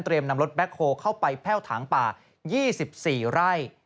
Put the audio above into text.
เตรียมนำรถแบล็คโฮเข้าไปแพ่วถางป่า๒๔ไร่